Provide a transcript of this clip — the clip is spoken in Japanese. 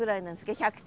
１００点。